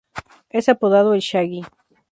Es apodado "El Shaggy".